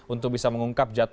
untuk bisa mengungkap